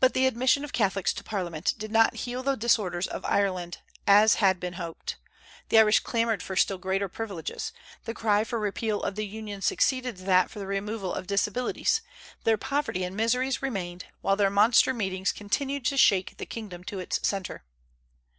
But the admission of Catholics to Parliament did not heal the disorders of Ireland as had been hoped. The Irish clamored for still greater privileges. The cry for repeal of the Union succeeded that for the removal of disabilities. Their poverty and miseries remained, while their monster meetings continued to shake the kingdom to its centre.